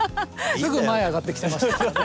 すぐ前へ上がってきてましたからね。